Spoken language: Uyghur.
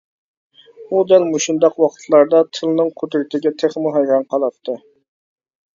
ئۇ دەل مۇشۇنداق ۋاقىتلاردا تىلنىڭ قۇدرىتىگە تېخىمۇ ھەيران قالاتتى.